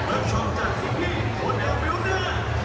ขอบคุณสไตล์รุ่นรับวันมาก